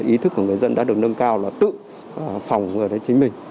ý thức của người dân đã được nâng cao là tự phòng chính mình